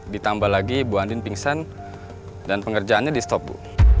ditambah lagi bu andin pingsan dan pengerjaannya di stop bu